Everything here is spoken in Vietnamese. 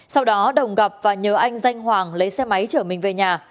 sau đó đồng gặp và nhờ anh danh hoàng lấy xe máy chở mình về nhà